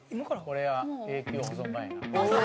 「これは永久保存版やな」